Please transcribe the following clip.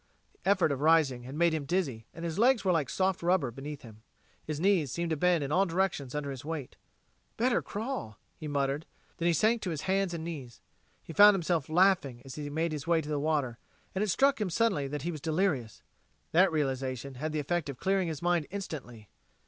The effort of rising had made him dizzy, and his legs were like soft rubber beneath him. His knees seemed to bend in all directions under his weight. "Better crawl," he muttered; then he sank to his hands and knees. He found himself laughing as he made his way to the water, and it struck him suddenly that he was delirious. That realization had the effect of clearing his mind instantly.